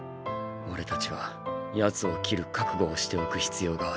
俺たちは奴を切る覚悟をしておく必要がある。